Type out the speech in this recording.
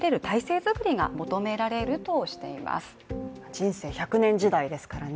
人生１００年時代ですからね